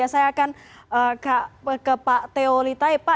saya akan ke pak teo litaipa